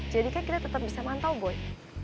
jadi kayaknya kita tetap bisa mantau boy